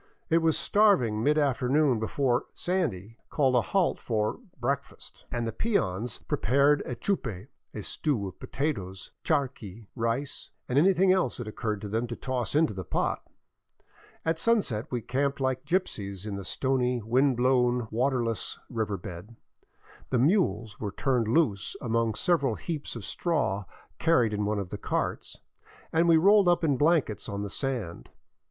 It was starving mid afternoon before " Sandy '* called a halt for " breakfast,'* and the peons prepared a chupe, — a stew of potatoes, charqui, rice, and anything else that it occurred to them to toss into the pot. At sunset we camped like gypsies in the stony, wind blown, waterless river bed ; the mules were turned loose among several heaps of straw carried in one of the carts, and we rolled up in blankets on the sand.